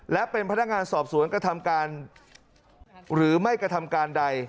และเป็นพนักงานสอบสวนกระทำการหรือไม่กระทำการใด